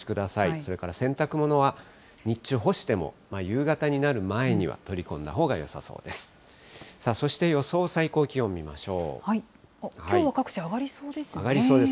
それから洗濯物は日中、干しても夕方になる前には取り込んだほうがよさそうです。